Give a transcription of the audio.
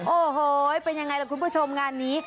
โอ้โหเป็นยังไงล่ะคุณผู้ชมงานนี้